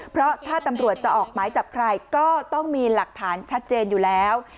เพราะถ้าตำรวจจะออกหมายจับใครก็ต้องมีหลักฐานชัดเจนอยู่แล้ว